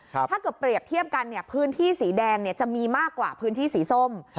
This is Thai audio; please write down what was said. ถ้าเกือบเปรียบเทียบกันพื้นที่สีแดงจะมีมากกว่าพื้นที่สีส้ม